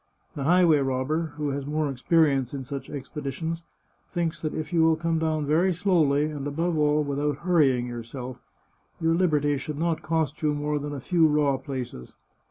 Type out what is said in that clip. The highway robber, who has more experience in such expeditions, thinks that if you will come down very slowly, and above all, without hurrying yourself, your liberty should not cost you more than a few raw places.